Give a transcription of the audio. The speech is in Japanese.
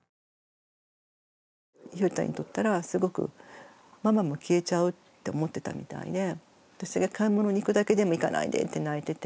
ゆうちゃんにとったらすごくママも消えちゃうって思ってたみたいで私が買い物に行くだけでも行かないでって泣いてて。